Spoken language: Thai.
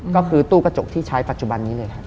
ก็คือตู้กระจกที่ใช้ปัจจุบันนี้เลยครับ